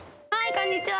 こんにちは。